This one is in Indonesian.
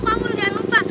kamu jangan lupa